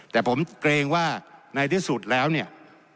แต่ผมเกรงว่าในที่สุดแล้วเนี่ย